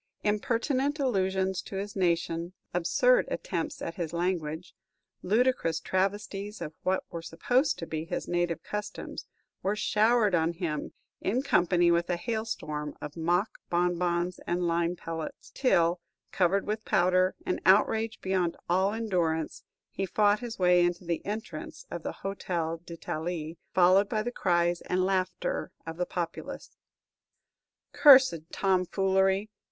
Impertinent allusions to his nation, absurd attempts at his language, ludicrous travesties of what were supposed to be his native customs, were showered on him, in company with a hailstorm of mock bonbons and lime pellets; till, covered with powder, and outraged beyond all endurance, he fought his way into the entrance of the Hôtel d'Italie, followed by the cries and laughter of the populace. "Cursed tomfoolery!